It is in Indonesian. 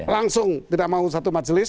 langsung tidak mau satu majelis